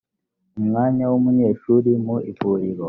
umwanya w umunyeshuri mu ivuriro